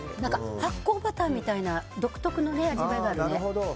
発酵バターみたいな独特の味わいがあるね。